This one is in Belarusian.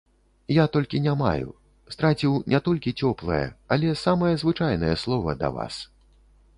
Я толькі не маю, страціў не толькі цёплае, але самае звычайнае слова да вас.